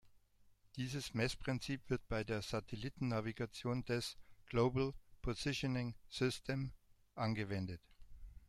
Dieses Messprinzip wird bei der Satellitennavigation des "Global Positioning System" angewendet.